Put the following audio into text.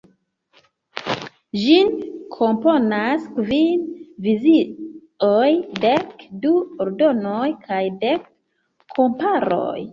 Ĝin komponas kvin vizioj, dek du “Ordonoj” kaj dek “komparoj”.